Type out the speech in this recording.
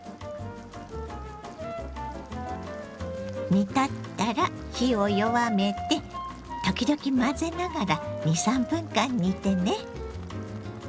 煮立ったら火を弱めて時々混ぜながら２３分間煮てね。